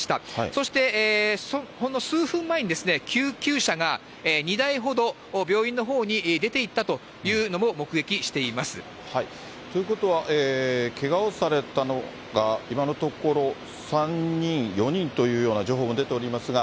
そしてほんの数分前に、救急車が２台ほど病院のほうに出て行ったというのも目撃していまということは、けがをされたのが今のところ３人、４人というような情報も出ておりますが、